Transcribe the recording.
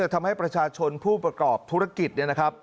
ทำให้ประชาชนผู้ประกอบธุรกิจ